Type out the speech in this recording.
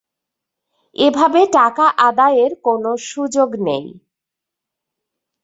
এভাবে টাকা আদায়ের কোনো সুযোগ নেই।